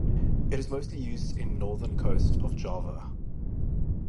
It is mostly used in northern coast of Java.